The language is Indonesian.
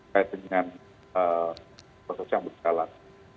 kait dengan proses yang berjalan